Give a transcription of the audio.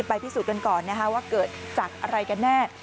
ไปที่พิสูจน์ก่อนว่าเกิดจากอะไรแน่